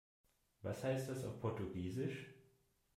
Was heißt das auf Portugiesisch?